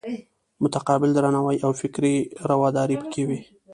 متقابل درناوی او فکري روداري پکې وي.